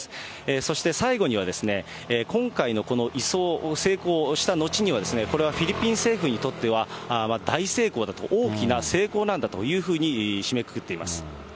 そして最後には、今回のこの移送、成功した後には、これはフィリピン政府にとっては大成功だと、大きな成功なんだというふうに締めくくっています。